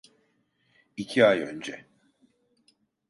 İki ay önce.